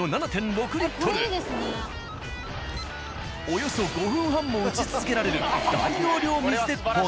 およそ５分半も撃ち続けられる大容量水鉄砲など。